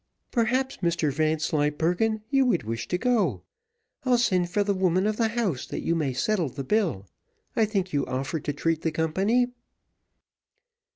"Perhaps, Mr Vanslyperken, you would wish to go. I'll send for the woman of the house that you may settle the bill; I think you offered to treat the company?"